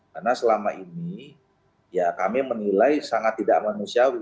karena selama ini kami menilai sangat tidak manusiawi